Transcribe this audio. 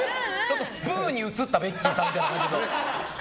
スプーンに映ったベッキーさんみたいな。